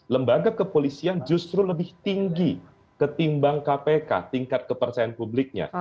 lembaga kepolisian justru lebih tinggi ketimbang kpk tingkat kepercayaan publiknya